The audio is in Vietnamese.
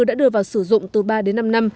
đã đưa vào sử dụng từ ba đến năm năm